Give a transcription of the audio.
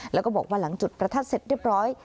แล้วก็บอกว่าหลังจุดประทัดเสร็จเรียบร้อย